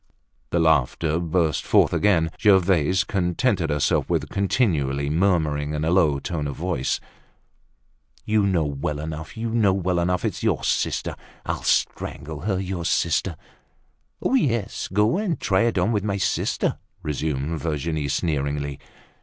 The laughter burst forth again. Gervaise contented herself with continually murmuring in a low tone of voice: "You know well enough, you know well enough. It's your sister. I'll strangle her—your sister." "Yes, go and try it on with my sister," resumed Virginie sneeringly.